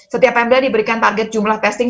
setiap pemda diberikan target jumlah testing